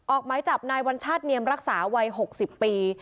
ออกหมายจับนายวัญชาติเนียมรักษาวัย๖๐ปี